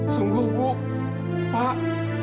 sungguh bu pak